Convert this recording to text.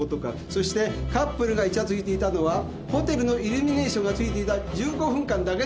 そしてカップルがいちゃついていたのはホテルのイルミネーションがついていた１５分間だけです。